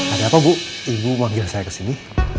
ada apa bu ibu manggil saya ke sini